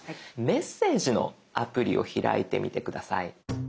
メッセージのアプリを開いてみて下さい。